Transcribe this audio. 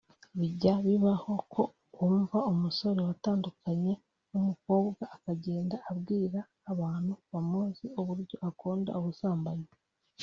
Bijya bibaho ko wumva umusore watandukanye n’umukobwa akagenda abwira abantu bamuzi uburyo akunda ubusambanyi